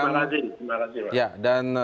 kita mungkin selalu berhubungan dengan anda